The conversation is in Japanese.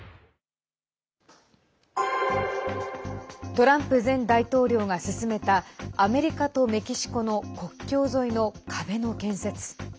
トランプ前大統領が進めたアメリカとメキシコの国境沿いの壁の建設。